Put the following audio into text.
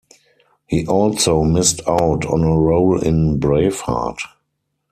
He also missed out on a role in "Braveheart".